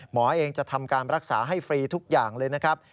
หมอเองจะทำการรักษาให้ฟรีทุกอย่างเลยนะครับ